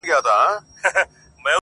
نو یې مخ سو پر جومات او پر لمونځونو-